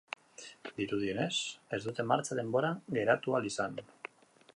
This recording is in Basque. Dirudienez, ez dute martxa denboran geratu ahal izan.